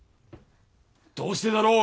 どうしてだろう？